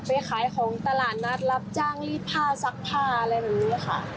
ไปขายของตลาดนัดรับจ้างรีดผ้าซักผ้าอะไรแบบนี้ค่ะ